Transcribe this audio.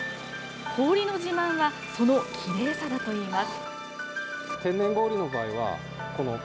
氷の自慢はそのきれいさだといいます。